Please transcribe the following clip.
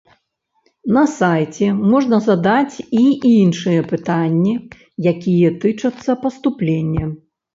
На сайце можна задаць і іншыя пытанні, якія тычацца паступлення.